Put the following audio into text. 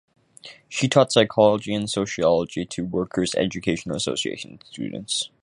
She taught psychology and sociology to Workers' Educational Association students.